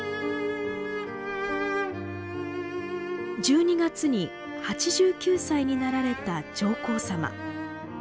１２月に８９歳になられた上皇さま。